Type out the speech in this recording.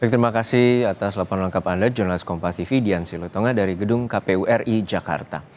terima kasih atas laporan lengkap anda jurnalis kompativi dian silutonga dari gedung kpu ri jakarta